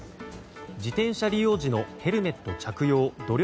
自転車利用時のヘルメット着用努力